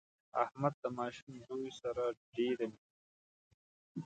احمد د ماشوم زوی سره ډېره مینه کوي.